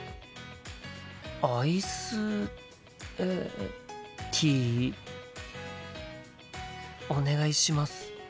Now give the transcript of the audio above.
アイスえティーお願いします。